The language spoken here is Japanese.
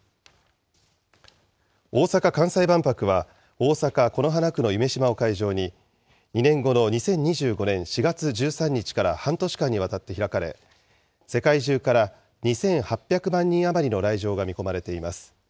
大阪・関西万博は、大阪・此花区の夢洲を会場に、２年後の２０２５年４月１３日から半年間にわたって開かれ、世界中から２８００万人余りの来場が見込まれています。